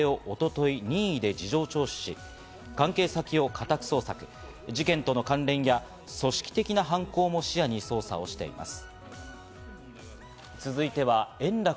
警察はこの男性を一昨日、任意で事情聴取し、関係先を家宅捜索、事件との関連や組織的な犯行も視野に捜査をしています。